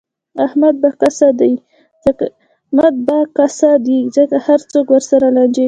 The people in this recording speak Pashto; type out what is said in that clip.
احمد به کسه دی، ځکه هر څوک ورسره لانجې کوي.